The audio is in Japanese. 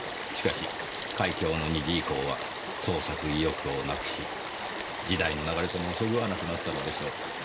しかし『海峡の虹』以降は創作意欲をなくし時代の流れともそぐわなくなったのでしょう。